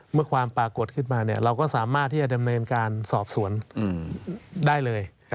ความปรากฏขึ้นมาเราก็สามารถที่จะดำเนินการสอบสวนได้เลย